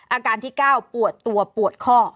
อาการที่๙ปวดตัวปวดข้อ